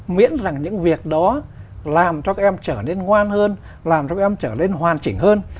miễn rằng những việc đó làm cho các em trở nên ngoan hơn làm cho các em trở lên hoàn chỉnh hơn